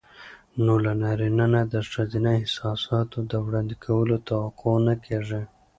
نو له نارينه نه د ښځينه احساساتو د وړاندې کولو توقع نه کېږي.